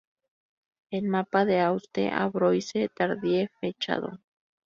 El mapa de Auguste Ambroise Tardieu fechado.